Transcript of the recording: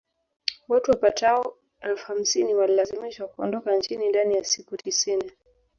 Watu wapatao elfu hamsini walilazimishwa kuondoka nchini ndani ya siku tisini